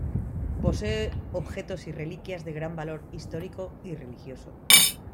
Posee objetos y reliquias de gran valor histórico y religioso.